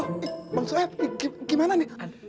oh bang soef gimana nih